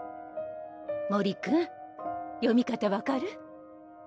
森君読み方分かる？